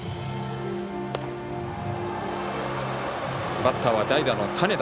バッターは代打の金田。